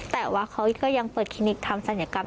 แต่ว่าเขาก็ยังเปิดคลินิกทำศัลยกรรม